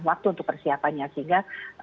waktu untuk persiapannya sehingga